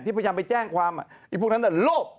พยายามไปแจ้งความไอ้พวกนั้นโลภ